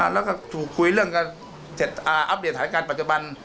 แล้วก็ถูกคุยเรื่องการอัปเดตสถานการณ์ปัจจุบัน